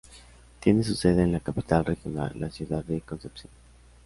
Tiene su sede en la capital regional, la ciudad de Concepción.